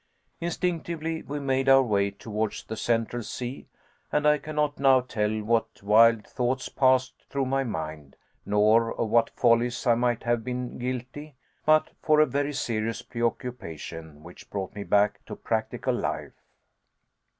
Instinctively we made our way towards the Central Sea, and I cannot now tell what wild thoughts passed through my mind, nor of what follies I might have been guilty, but for a very serious preoccupation which brought me back to practical life.